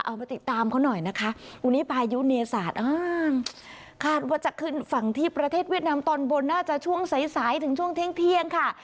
มาติดตามเขาหน่อยนะคะวันนี้พายุเนศาสตร์คาดว่าจะขึ้นฝั่งที่ประเทศเวียดนามตอนบนน่าจะช่วงสายสายถึงช่วงเที่ยงค่ะ